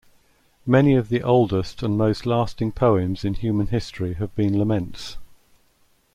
Many of the oldest and most lasting poems in human history have been laments.